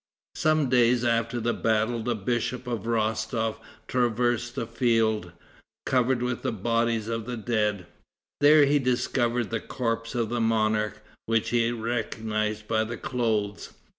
Some days after the battle the bishop of Rostof traversed the field, covered with the bodies of the dead. There he discovered the corpse of the monarch, which he recognized by the clothes.